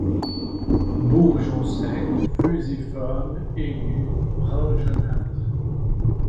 Bourgeons secs, fusiformes, aigus, brun jaunâtre.